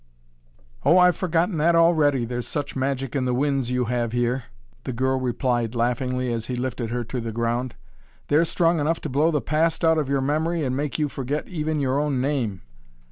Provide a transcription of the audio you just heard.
"Oh, I've forgotten that already, there's such magic in the winds you have here," the girl replied laughingly as he lifted her to the ground. "They're strong enough to blow the past out of your memory and make you forget even your own name!"